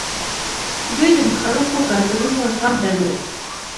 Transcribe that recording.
دوی د مختلفو کلتورونو زغم درلود